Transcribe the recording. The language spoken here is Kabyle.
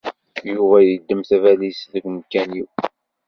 Yuba yedem tabalizt deg umekan-iw